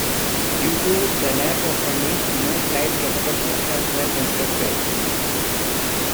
Due to the lack of funding, no flight-capable aircraft were constructed.